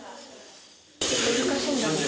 難しいんだけど。